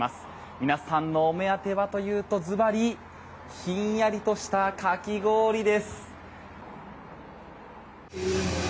皆さんのお目当てはというとずばり、ひんやりとしたかき氷です。